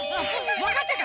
わかってた！